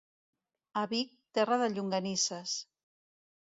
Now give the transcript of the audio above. A Vic, terra de llonganisses.